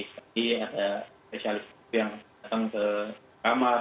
jadi ada spesialis itu yang datang ke kamar